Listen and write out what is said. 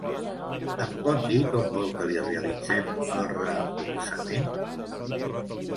Em pot dir com vol que li realitzem el reemborsament?